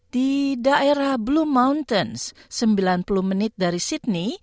di daerah blue mountains sembilan puluh menit dari sydney